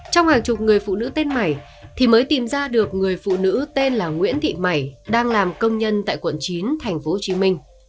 trong hàng chục người phụ nữ tên mảy thì mới tìm ra được người phụ nữ tên là nguyễn thị mảy đang làm công nhân tại quận chín tp hcm